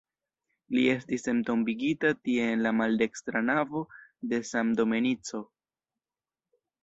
Li estis entombigita tie en la maldekstra navo de San Domenico.